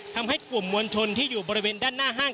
ทำให้กลุ่มมวลชนที่อยู่บริเวณด้านหน้าห้าง